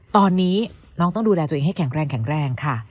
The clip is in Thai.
ตอนนี้น้องต้องดูแลตัวเองให้แข็งแรงแข็งแรงค่ะ